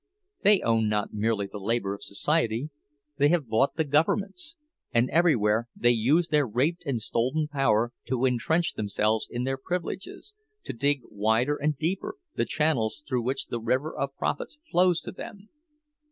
They own not merely the labor of society, they have bought the governments; and everywhere they use their raped and stolen power to intrench themselves in their privileges, to dig wider and deeper the channels through which the river of profits flows to them!